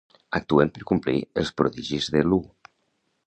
Actuen per complir els prodigis de l'U.